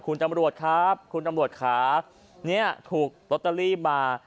คุณตำรวจครับคุณตำรวจขาเนี่ยถูกลอตเตอรี่มา